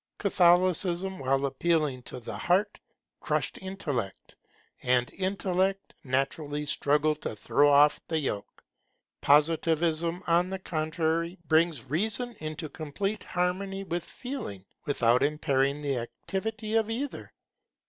Catholicism, while appealing to the Heart, crushed Intellect, and Intellect naturally struggled to throw off the yoke. Positivism, on the contrary, brings Reason into complete harmony with Feeling, without impairing the activity of either.